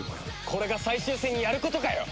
これが最終戦にやることかよ！